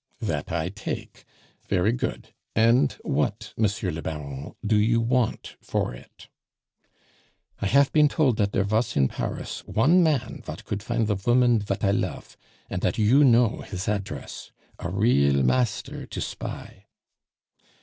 "That I take. Very good; and what, Monsieur le Baron, do you want for it?" "I haf been told dat dere vas in Paris one man vat could find the voman vat I lof, and dat you know his address.... A real master to spy."